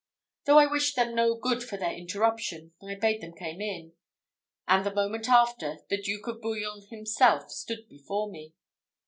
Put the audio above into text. Though I wished them no good for their interruption, I bade them come in; and the moment after, the Duke of Bouillon himself stood before me.